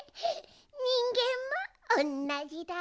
にんげんもおんなじだ。